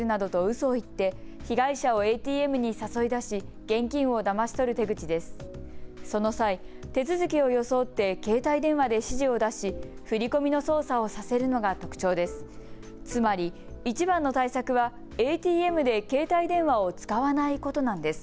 その際、手続きを装って携帯電話で指示を出し、振り込みの操作をさせるのが特徴です。